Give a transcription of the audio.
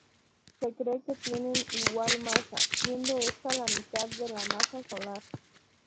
Se cree que tienen igual masa, siendo esta la mitad de la masa solar.